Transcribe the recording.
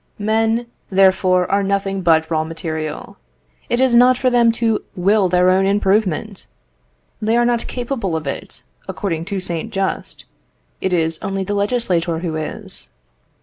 Men, therefore, are nothing but raw material. It is not for them to will their own improvement. They are not capable of it; according to Saint Just, it is only the legislator who is.